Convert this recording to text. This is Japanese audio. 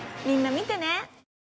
みんな見てね！